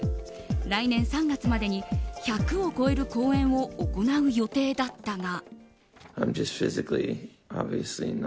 来年３月までに１００を超える公演を行う予定だったが。